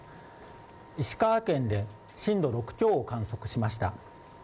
石川県で震度６強を観測しました。